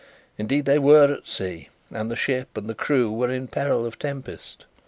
Indeed they were at sea, and the ship and crew were in peril of tempest.